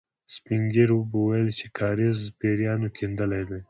سپين ږيرو به ويل چې کاریز پېريانو کېندلی دی.